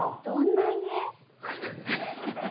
どんな家？